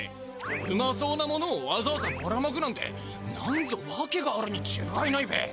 うまそうなものをわざわざばらまくなんてなんぞわけがあるにチュがいないべ。